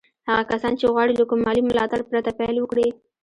هغه کسان چې غواړي له کوم مالي ملاتړ پرته پيل وکړي.